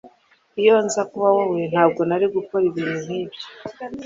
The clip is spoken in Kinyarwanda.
Iyo nza kuba wowe, ntabwo nari gukora ibintu nkibyo.